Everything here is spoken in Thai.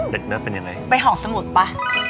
เด็กเนิร์ดเป็นยังไงเป็นห้องสมุดป่ะ